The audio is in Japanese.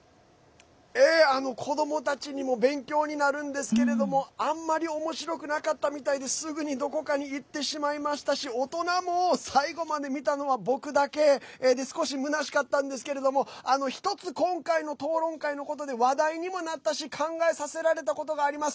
子どもたちにも勉強になるんですけどあんまりおもしろくなかったみたいですぐにどこかに行ってしまいましたし大人も最後まで見たのは僕だけで少しむなしかったんですけれども一つ、今回の討論会のことで話題にもなったし考えさせられたことがあります。